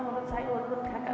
karena menurut saya walaupun kakak